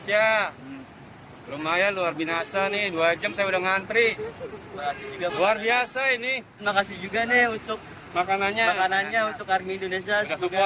terima kasih juga nih untuk makanannya untuk army indonesia